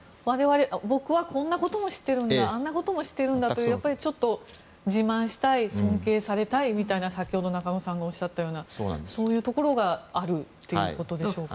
僕はこんなことも知ってるんだあんなことも知っているんだというちょっと自慢したい尊敬されたいみたいな先ほど、中野さんがおっしゃったみたいなそういうところがあるということでしょうか。